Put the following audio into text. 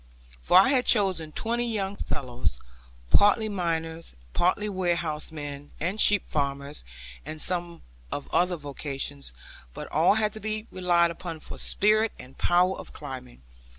For I had chosen twenty young fellows, partly miners, and partly warehousemen, and sheep farmers, and some of other vocations, but all to be relied upon for spirit and power of climbing.